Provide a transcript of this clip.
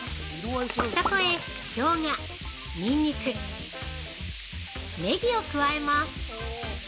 そこへ、しょうが、にんにくネギを加えます。